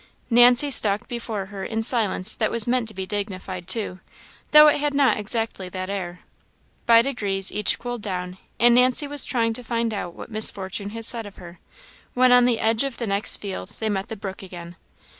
Nancy stalked before her in silence that was meant to be dignified too, though it had not exactly that air. By degrees each cooled down, and Nancy was trying to find out what Miss Fortune had said of her, when on the edge of the next field they met the brook again.